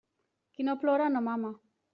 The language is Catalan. Qui no plora no mama.